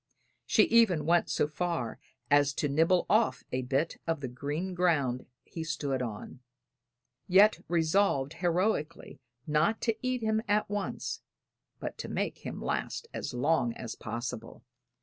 She even went so far as to nibble off a bit of the green ground he stood on yet resolved heroically not to eat him at once, but to make him last as long as possible.